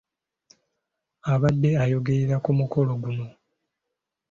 Abadde ayogerera ku mukolo guno .